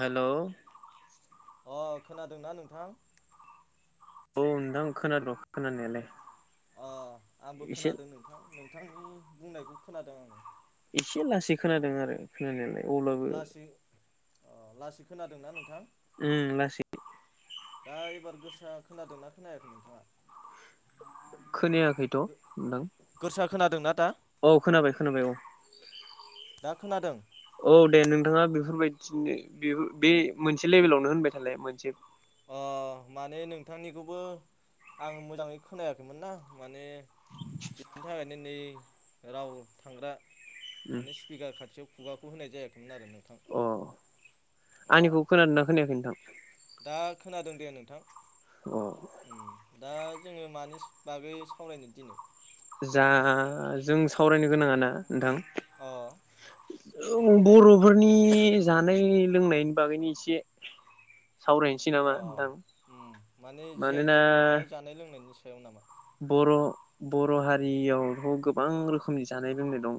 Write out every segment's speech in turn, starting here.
Hello. अ खोनादोंना नोंथां? औ नोंथां खोनाद' खोनानायालाय। अ आंबो एसे खोनादों नोंथां नोंथांनि बुंनायखौ खोनादों औ। एसे लासै खोनादों आरो खोनानायालाय अब्लाबो लासै लासै खोनादों ना नोंथां? उम लासै। दा एबार गोसा खोनादोंना खोनायाखै नोंथाङा? खोनायाखैथ' नोंथां। खोनादों ना औ खोनाबाय खोनाबाय औ दा खोनादों औ दे नोंथाङा बेफोरबायदिनो बे बे मोनसे लेभेलावनो होनबाय थालाय मोनसे अ माने नोंथांनिखौबो आं मोजाङै खोनायाखैमोन ना माने बिनि थाखायनो नै राव थांग्रा उम माने स्पिकार खाथियाव खुगाखौ होनाय जायाखै अ अ आंनिखौ खोनादोंना खोनायाखै नोंथां? दा खोनादों दे नोंथां अ दा जोङो मानि बागै सावरायनो दिनै जा जों सावरायनो गोनाङा ना नोंथां अ [unintelligible] बर' फोरनि जानाय लोंनायनि बागैनि इसे सावरायनोसै नामा अ नोंथां उम माने जि आइ मानोना टेक मोननाय जानाय लोंनायनि नामा बर' बर' हारियाव थ बां रोखोमनि जानाय लोंनाय दं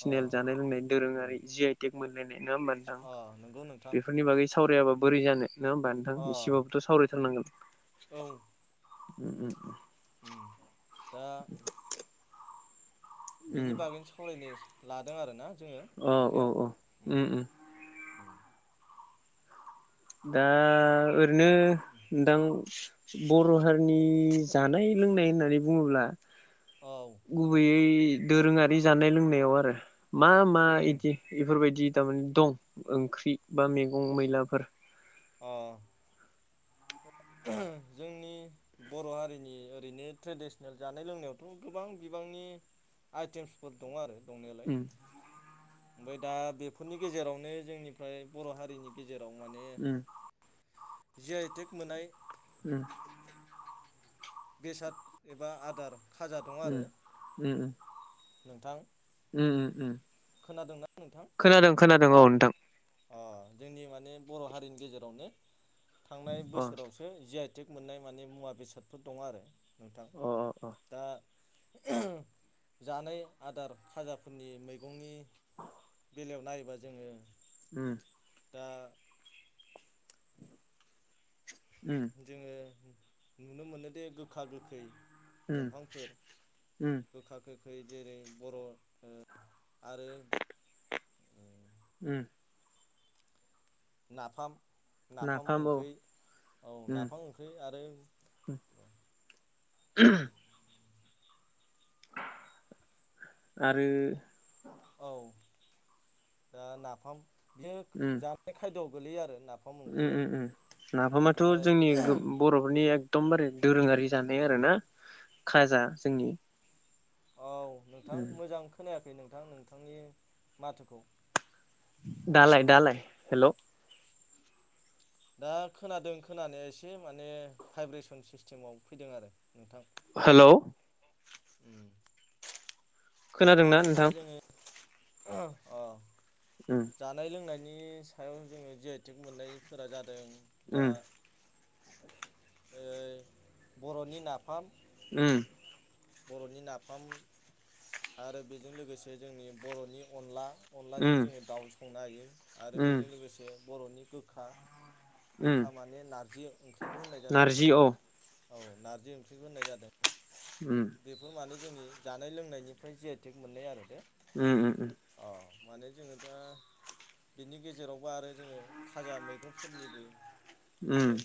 अ जानाय लोंनाय दोरोङारि जि आइ टेग मोनलायनाय नङा होमबा अ नंगौ नोंथां बेफोरनि बागै सावरायाबा बोरै जानो नङा होमबा अ नोंथां एसेबाबोथ' सावरायथारनांगोन औ उम उम उम दा बिनि बागैनो सावरायनो लादों आरोना जोङो औ औ आखाइयाव औ उम उम दा ओरैनो नोंथां बर' हारिनि जानाय लोंनाय होननानै बुङोब्ला औ गुबैयै दोरोङारि जानाय लोंनायाव आरो मा मा उम इदि इफोरबायदि थारमाने दं ओंख्रि बा मैगं मैलाफोर अ ओ जोंनि बर' हारिनि ओरैनो ट्रेडिसेनेल जानाय लोंनायावथ' गोबां बिबांनि आइटेमसफोर दं आरो दंनायालाय उम ओमफ्राय दा बेफोरनि गेजेरावनो जोंनिफ्राय बर' हारिनि गेजेराव जेराव उम माने जि आइ टेग मोननाय। उम बेसाद एबा आदार खाजा दङ उम आरो उम नोंथां उम उम खोनादोंना नोंथां। खोनादो औ नोंथां। अह जोंनि माने बर हारिनि गेजेरावनो। थांनाय अ बोसोरावसो जि आइ। तेक मोननाय माने मुवा बेसादफोर दङ आरो। नोंथां अ अ अ दा ओह जानै आदार खाजाफोरनि मैगंनि। बेलायाव नायोबा जोङो। उम। दा। उम जोङो। नुनोमोनोदे गोखा गोखै। उम दंफांफोर उम गोखा गो [unintelligible] जेरै बर ओह आरो। उम। नाफाम। नाफाम ओंख्रौ औ उम नाफाम ओंख्रौ आरो। आरो औ दा नाफाम। बियोग उम जानाय खायद। गोलैयो आरोना। उम उम उम नाफामाथ जोंनि गोब-बरफोरनि एग दमबारे दोरोंआरि। जानाय आरोना। खाजा जोंनि। औ नोंथां उम मोजां खोनाया [unintelligible] नोंथां नोंथांनि माथोखौ। दालाय दालाय हेलौ। दा खोनादों खोनानाय एसे माने भाइब्रेसन सिस्टिमाव फैदोंआरो नोंथां। हेलौ। उम। खोनादों ना नोंथां। अह अ उम जानाय लोंनाय। नि सायाव जोङो जि आइ तेग मोननायफोरा जादों। दा। उम ओह बर'नि नाफाम। उम। बर'नि नाफाम आरो बेजों लोगोसे जोंनि बर'नि अनला। अनलाजों उम जोङो दाउ संनो हायो आरो उम बेजों लोगोसे बर'नि गोखा उम गोखा माने नारजि ओंख्रिखौ होननाय जादों आरो नारजि औ ना। औ नारजि ओंख्रिबो होननाय जादों उम बेफोर माने जोंनि जानाय लोंनायनिफ्राय जिआइ टेक मोननाय आरो ने उम उम उम। औ माने जोङो दा बिनि गेजेरावबो आरो जोङो खाजा मैगंफोरनिबो उम। जोङो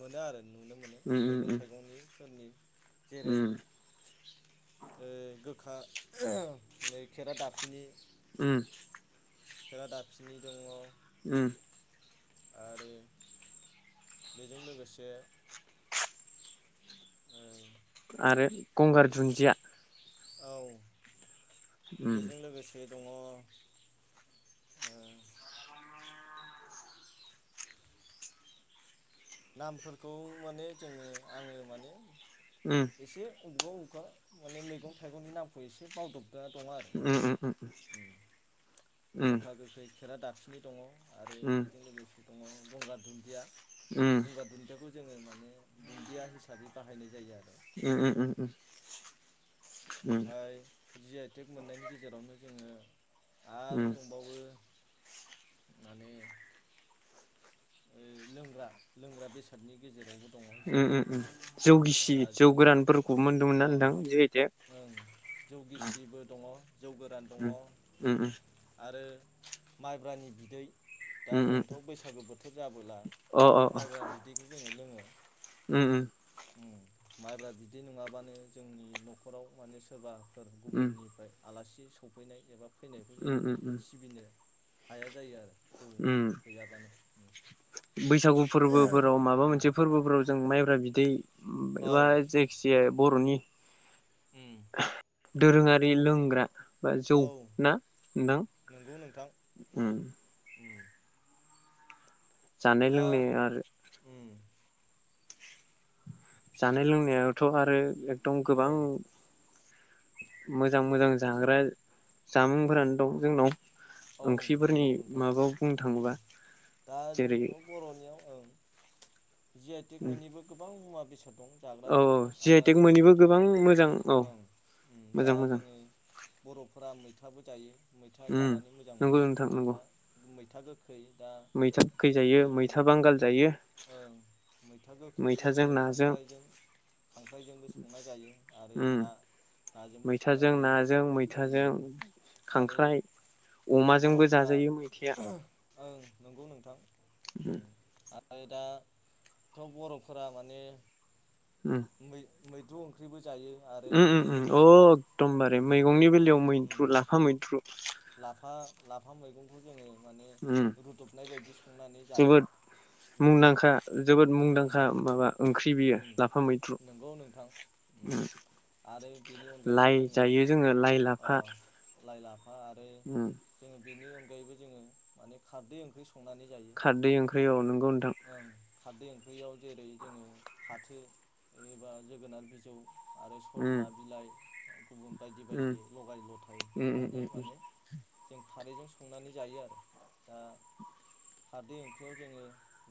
मोनो आरो। नुनो मोनो उम उम उम मैगं-थाइगंनि फोरनि जेरै उम ओ गोखा नै खेरा दाफिनि उम खेरा दाफिनि दङ उम। आरो बेजों लोगोसे ओ आरो गंगार दुन्दिया औ उम बेजों लोगोसे दङ नामफोरखौ माने जोङो आङो माने उम एसे अबेबा अबेबा माने मैगं-थाइगंनि नामखौ एसे बावदब ना दङ आरो उम नोंथां उम उम उम उम गोखा गोखै खेरा दाफिनि दङ। आरो बेजों लोगोसे दङ गंगार दुन्दिया उम गंगार दुनियाखौ जोङो माने दुन्दिया हिसाबै बाहायनाय जायो आरो। उम उम उम। ओमफ्राय जि आइ टेक मोननायनि गेजेरावनो। जोङो। आरो उम उम दंबावो। माने लोंग्रा लोंग्रा बेसादनि गेजेरावबो दङ जि आइ उम टेक उम मोननाय जौ गिसि दा जौ जोङो गोरानफोरखौ मोनदोंमोन ना अ नोंथां जिहेते ओ जौ उम गिसिबो दङ जौ गोरान दङ उम उम आरो। माइब्रानि बिदै दा उम उम जोंथ' बैसागो बोथोर जाबोला अ अ माइब्रा बिदैखौ जों। नो लोङो। उम उम। उम माइब्रा बिदै नङाबानो जोंनि न'खराव माने सोरबा फोर उम गुबुननिफ्राय आलासि सौफैनाय एबा फैनायखौ उम जोङो उम सिबिनो हाया जायो आरो। जौ उम गैयाबानो। बैसागु फोरबोफोराव माबा मोनसे फोरबोफोराव जों म मायब्रा बिदै औ बा जायखिाया बर'नि उम। दोरोङारि लोंग्रा बा जौ औ ना नोंथां। उम जानाय दा लोंनाय आरो। उम जानाय लोंनायावथ' आरो। एदम औ गोबां मोजां मोजां। जाग्रा जामुंफोरानो दं जोंनाव। औ ओंख्रिफोरनि नंगौ नोंथां माबायाव बुंनो थाङोबा दा जेरै जोंथ' बर'नियाव ओं। जि आइ टेक मोनैबो गोबां मुवा। बेसाद। दं जाग्रा औ जि आइ टेक लानानै मोननिबो मैगं गोबां थाइगं मोजां औ ओं दा मोजां मोजां जोङो बर'फोरा मै थाबो जायो। मैथा उम जानानै मोजां नंगौ मोनो नोंथां नंगौ मैथा मैथा गोख खै दा मैथा गोखै जायो जों मैथा बांगाल जायो ओं मैथा गोखैखौथ' मैथाजों जोङो नाजों खांख्रजों खांख्राइजोंबो संना जायो आरो उम ना नाजोंबो संना मैथाजों जायो नाजों उम मैथाजों आरो खांख्राइ अमा बर'फोरा ओं नंगौ नोंथां उम आरो दाथ' बर'फोरा माने उम मैद्रु ओंख्रिबो जायो आरो उम उम बेजों उम लोगोसे अकदमबारे उम मैगंनि बेलायाव मैद्रु उम लाफा मैद्रु लाफा लाफा मैगंखौ जोङो माने उम रुदबनाय बायदि संनानै जायो जोबोर उम मुंदांखा जोबोद ओं मुंदांखा माबा ओंख्रि बियो उम लाफा मैद्रु नंगौ नोंथां उम आरो बेनि अनगायैबो लाइ जोङो जायो लाइ ओ लाफा लाइ लाफ उम बेनि अनगायैबो जोङो माने खारदै ओंख्रि सं खारदै ओंख्रि औ नोंगौ नोंथां ओं खारदै ओंख्रियाव जेरै जोङो फाथो एबा जोगोनार बिजौ आरो उम सजना बिलाइ गुबुन बायदि उम बायदि लगाय लथाय उम होनानै उम माने जों खारैजों संनानै जायो आरो ओ दा खारदै ओंख्रियाव जोङो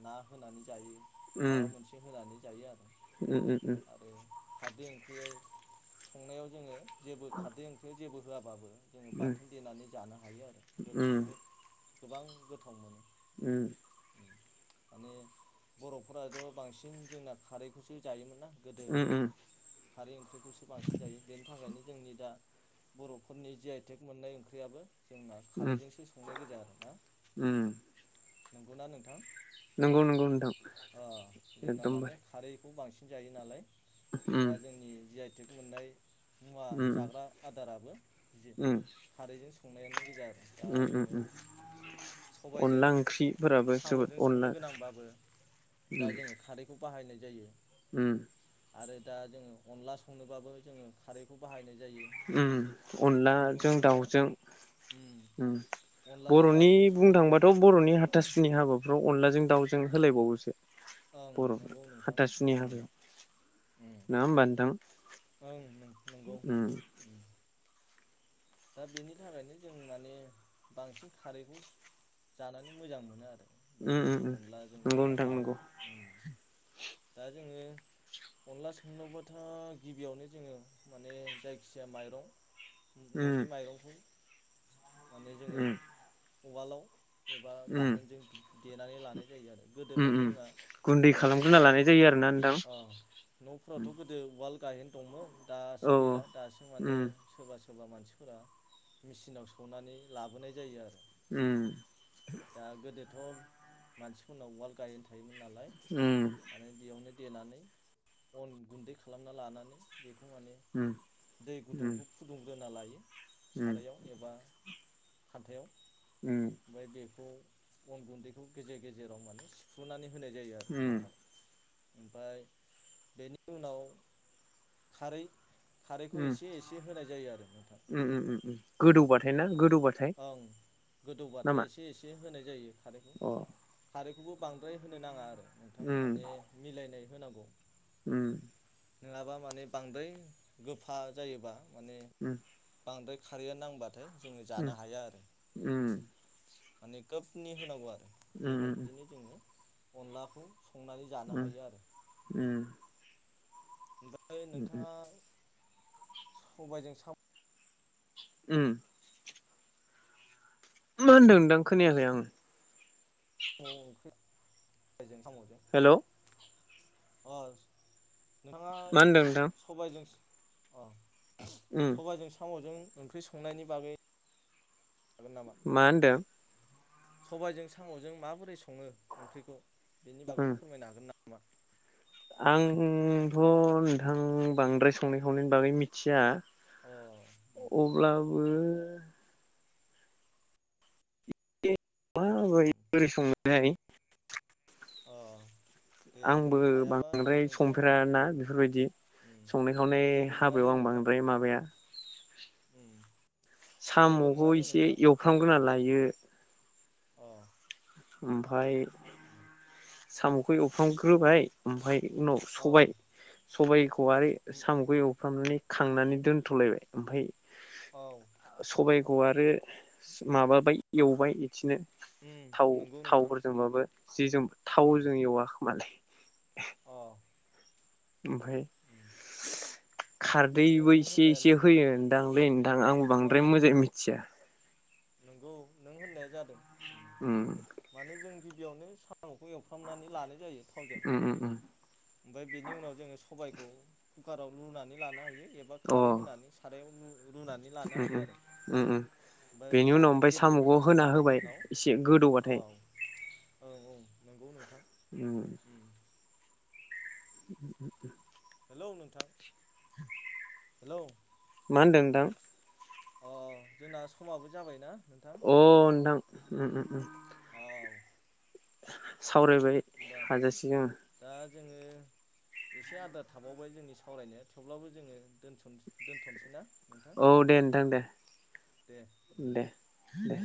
ना होनानै जायो माबा मोनसे होनानै जायो आरो ओम ओम ओम आरो खारदै ओंख्रियै संनायाव जोङो जेबो खारदै ओंख्रि जेबो होआबाबो जोंङो बाथ थोन देनानै जानो हायो आरो बुहुद गोबां गोथाव मोनो बेनो उम माने बर'फोराथ' बांसिन जोंना खारैखौसो जायोमोन ना गोदो उम खारै ओंख्रिखौसो बांसिन जायो बेनि थाखायनो जोंनि दा बर'फोरनि जि आइ टेग मोननाय ओंख्रियाबो जोंना उम खारैजोंसो संनाय गोजा आरो ना। उम नंगौना नोंथां? नंगौ नंगौ नोंथां एकदमबारे खौ बांसिन जायो नालाय। उम दा जोंनि जि आइ थेग मोननाय मुवा उम जाग्रा आदाराबो जे उम बेजों संनायानो बे जा आरो दा उम जोङो उम उम सबायजों अनला ओंख्रिफोराबो जोबोद साम'जों संनो अनला गोनांबाबो दा उम जोङो खारैखौ बाहायनाय जायो। उम। आरो दा जोङो अनला संनोबाबो जोङो खारैखौ बाहायनाय जायो उम नंगौना अनलाजों दाउ नोंथां? जों उम अनलाजों बर'नि दाउजों बुंनो संनोबाबो थांबाथ' बर'नि हाथासुनि हाबा फ्राव अनलाजों दावजों होलायबावोसो। ओं बर'फ्रा नंगौ नोंथां हाथासुनि उम हाबायाव उम नङा होमबा नोंथां ओं नों नं -नंगौ। उम। दा बेनि थाखायनो जों माने बांसिन खारैखौ जानानै मोजां मोनो आरो। बे उम उम अनलाजों दा नंगौ नोंथां दाउ नंगौ उम दा जोङो अनला संनोबाथाय गिबियावनो जोङो माने जायखिजाया माइरं उम न'नि माइरंखौ माने जोङो उम उवालाव एबा उम गाहेनजों देनानै लानाय जायो आरो गोदोथ' उम उम जोंना गुन्दै खालामग्रोना न'फोराव लानाय जायो आरोना नोंथां ओ न'फोरावथ' गोदो उवाल गाहेन दंमोन दासो औ गैला दासो माने उम सोरबा सो सोरबा मानसिफोरा मेचिनाव सौनानै लाबोनाय जायो आरो। उम। थ' मानसिफोरनाव उवाल गाहेन थायोमोन नालाय उम माने बेयावनो देनानै अन गुन्दै खालामना लानानै बे खौ माने दै गुदुंखौ फु ग्रोना लायो। सारायाव एबा खान्थायाव ओमबाय बेखौ अन गुन्दैखौ गेजेर गेजेराव माने सिफ्रुनानै होनाय जायो आरो उम नोंथां। ओमफाय बेनि उनाव खारै खारैखौ एसे एसे होनाय आरो नोंथां उम उम उम उम गोदौबाथाय ना? गोदौबथाय ओं गोदौबाथाय नामा? एसे एसे होनाय जायो। खारैखौ अ खारै खौबो बांद्राय होनो नांङा आरो। नोंथां उम माने मिलायनाय होनांगौ। उम नोंङाबा माने बांद्राय गोफा जायोबा माने उम बांद्राय खारैया नांबा नाथाय जोंङो उम जानो हाया आरो। उम माने खोफनि होनांगौ उम उम बेबायदिनो जोंङो अनलाखौ संनानै जानो उम हायो आरो। उम फाय उम नोंथांङा सबायजों साम' उम मा होनदों थां? खोनायाखै आं [unintelligible] ओंख्रि फोजों साम'जों हेलौ [unintelligible] नोंथांङा मा होनदों नोंथां सबायजों अ उम सबाइजों साम'जों ओंख्रि संनायनि बागै हागोन नामा मा होनदों? सबायजों साम'जों माबोरै सङो ओंख्रिखौ? बेनि उम बागै फोरमायनो हागोन ना मा? आंथ' नोंथां बांद्राय संनाय खावनायनि बागै मिथिया। अ उम उम अब्लाबो माबोरै उम बोरै सङोथाय? अ दे आंबो हायाबा बांद्राय नोंथाङा संफेराना उम बेफोरबायदि उम संनाय खावनाय जेबो नङा दे हाबायाव आं नोंथां बांद्राय उम माबाया। उम जेबो साम'खौ नङा दे एसे नोंथां एवफ्रामगोना लायो, अ ओमफाय [inaudible] साम'खौ एवफ्रामग्रोबाय ओमफाय उनाव सबाय औ सबायख खहाय साम'खौ एवफ्रामनानै खांनानै दोनथ'लायबाय ओमफाय औ सबाइ खौ आरो माबाबाय एवबाय, बिदिनो थाव नंगौ नोंथां थावफोरजोंबाबो जिजों थावजों एवा खोमालै अ ओमफाय बेनो खारदैबो नों इसे होननायानो इसे होयो नंगौ नोंदांलै नोंथां आंबो ओं बांद्राय मोजां मिथिया। नंगौ नों होननाया जाद दों उम मानो जों गिबियावनो साम'खौ एवफ्रामनानै लानाय जायो। थावजों, उम उम उम ओमफाय बेनि उनाव जोङो सबायखौ कुकाराव लुनानै लानो हायो। एबा अ खारै होनानै सारायाव रुनानै लानो उम हायो उम। आरो उम उम। ओमफ्राय बेनि उनाव रुनानै ओमफ्राय साम'खौ गेब्लेहोनानै होना लानायनि होबाय उनाव, एसे अ गोदौबाथाय ओं ओं नंगौ नोंथां उम। [inaudible] लौ नोंथां हेलौ मा होनदों थां? अ जोंना समाबो जाबायना नोंथां अ नोंथां उम उम उम औ [unintelligible] सावरायबाय होमबा हाजासे। दा जोङो एसे आद्रा थाबावबाय जोंनि सावरायनाया थेवब्लाबो जोङो' दोनथ'नोसै ना? नोंथां औ दे नोंथां दे दे दे दे